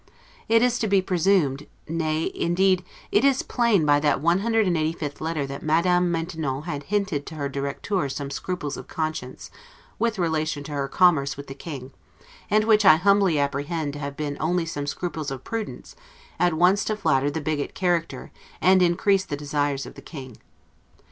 It is to be presumed, nay, indeed, it is plain by that 185th letter that Madame Maintenon had hinted to her directeur some scruples of conscience, with relation to her commerce with the King; and which I humbly apprehend to have been only some scruples of prudence, at once to flatter the bigot character, and increase the desires of the King.